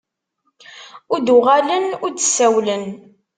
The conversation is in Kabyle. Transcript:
Ur d-uɣalen ur d-sawlen.